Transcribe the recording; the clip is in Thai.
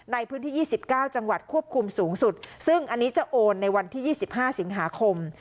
ในพื้นที่๒๙จังหวัดควบคุมสูงสุดซึ่งอันนี้จะโอนในวันที่๒๕สิงหาคม